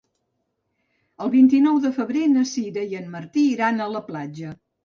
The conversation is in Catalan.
El vint-i-nou de febrer na Sira i en Martí iran a la platja.